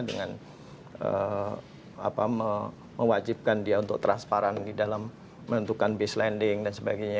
dengan mewajibkan dia untuk transparan di dalam menentukan base landing dan sebagainya